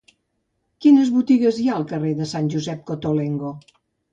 Quines botigues hi ha al carrer de Sant Josep Cottolengo?